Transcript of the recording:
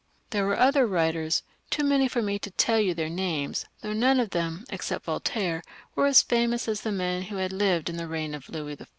There were other writers, too many for me to teU you their names, though they were none of them, except Voltaire, as famous as the men who had lived in the reign of Louis XIV.